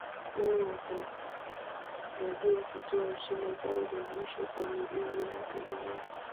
leo wanatarajiwa kutoa heshima zao za mwisho kwa miili ya wapendwa wao